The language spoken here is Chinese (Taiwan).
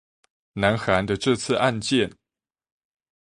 南韓的這次案件